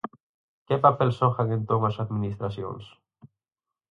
Que papel xogan entón as administracións?